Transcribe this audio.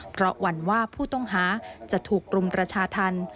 เพราะหวันว่าผู้ต้องหาจะถูกกลุ่มรัชภัณฑ์